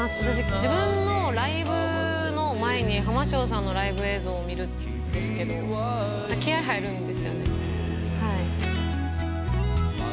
自分のライブの前に、浜しょうさんのライブ映像を見るんですけど、気合い入るんですよね。